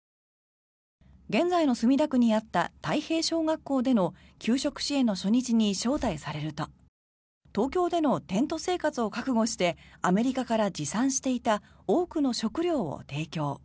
現在の墨田区にあった太平小学校での給食支援の初日に招待されると東京でのテント生活を覚悟してアメリカから持参していた多くの食料を提供。